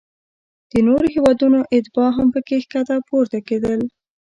د نورو هیوادونو اتباع هم پکې ښکته پورته کیدل.